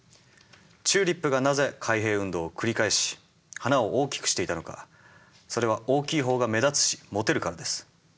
チューリップがなぜ開閉運動を繰り返し花を大きくしていたのかそれは大きい方が目立つしモテるからです。